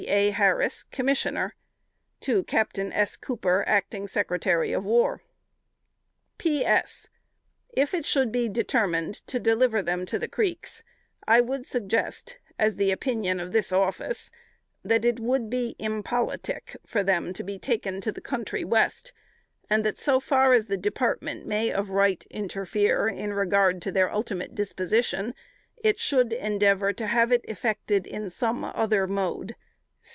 A. HARRIS, Commissioner. Captain S. COOPER, Acting Sec'y of War." "P. S. If it should be determined to deliver them to the Creeks, I would suggest, as the opinion of this office, that it would be impolitic for them to be taken to the country West, and that so far as the Department may of right interfere in regard to the ultimate disposition, it should endeavor to have it effected IN SOME OTHER MODE.